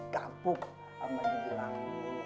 gabuk sama dibilangmu